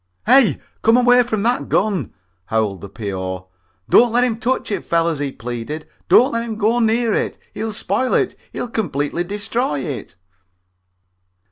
"Hey, come away from that gun!" howled the P.O. "Don't let him touch it, fellers," he pleaded. "Don't let him even go near it. He'll spoil it. He'll completely destroy it."